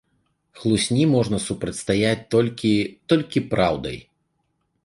Хлусні можна супрацьстаяць толькі толькі праўдай.